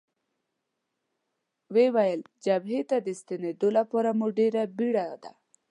ویې ویل: جبهې ته د ستنېدو لپاره مو ډېره بېړه ده.